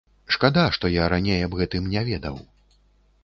Шкада, што я раней аб гэтым не ведаў.